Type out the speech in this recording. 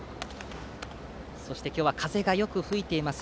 そして今日は風がよく吹いています。